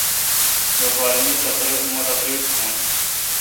لوپارہ مہ تقریر تھون۔